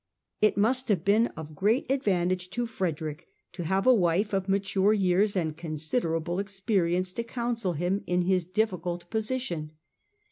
It must have been of great advantage to Frederick to have a wife of mature years and considerable experience to counsel him in his difficult position.